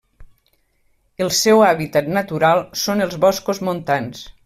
El seu hàbitat natural són els boscos montans.